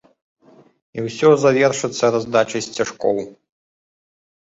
І ўсё завершыцца раздачай сцяжкоў.